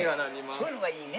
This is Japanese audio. そういうのがいいね。